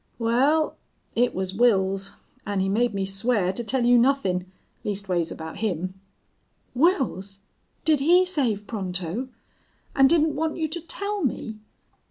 "Wal, it was Wils, an' he made me swear to tell you nuthin' leastways about him." "Wils! Did he save Pronto?... And didn't want you to tell me?